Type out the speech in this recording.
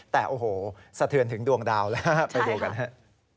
แต่โอ้โหสะเทือนถึงดวงดาวแล้วฮะไปดูกันฮะ